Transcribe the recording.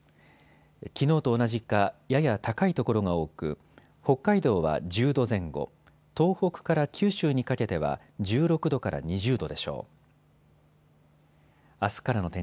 きのうと同じかやや高い所が多く北海道は１０度前後、東北から九州にかけては１６度から２０度でしょう。